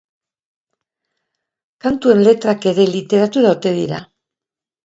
Kantuen letrak ere literatura ote dira?